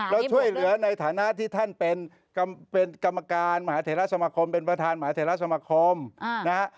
แล้วช่วยเหลือในฐานะที่ท่านเป็นกรรมการมหาเทราสมคมเป็นประธานมหาเทราสมคมนะฮะ